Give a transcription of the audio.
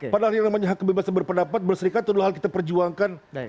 padahal yang namanya hakem bebas yang berpendapat berserikat itu adalah hal yang kita perjuangkan